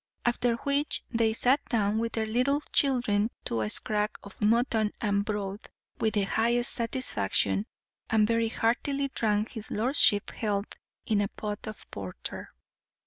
After which they sat down with their little children to a scrag of mutton and broth, with the highest satisfaction, and very heartily drank his lordship's health in a pot of porter.